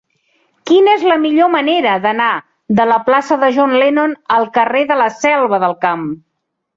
Quina és la millor manera d'anar de la plaça de John Lennon al carrer de la Selva del Camp?